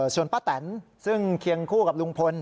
ส่วนป้าแตนซึ่งเคียงคู่กับลุงพล